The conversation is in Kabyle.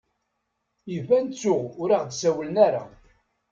Iban ttuɣ ur ɣ-d-sawlen ara.